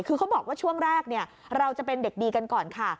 คือเขาบอกว่าช่วงแรกเราจะเป็นเด็กดีกันก่อนค่ะ